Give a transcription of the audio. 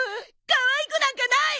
かわいくなんかない！